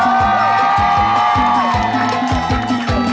ก็ได้อ่ะทุกการณ์นะครับ